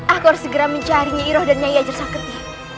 aku harus segera mencari nyai roh dan nyai yajar saketi